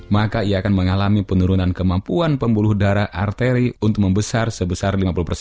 maka ia akan mengalami penurunan kemampuan pembuluh darah arteri untuk membesar sebesar lima puluh